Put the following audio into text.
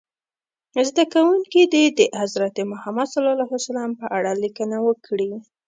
زده کوونکي دې د حضرت محمد ص په اړه لیکنه وکړي.